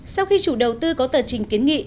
sau khi chủ đầu tư có tờ trình kiến nghị